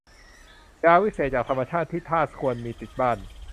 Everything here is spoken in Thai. ยาวิเศษจากธรรมชาติที่ทาสควรมีติดบ้าน